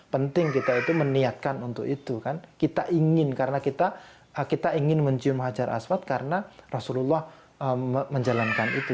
penting kita itu meniatkan untuk itu kan kita ingin karena kita ingin mencium hajar aswad karena rasulullah menjalankan itu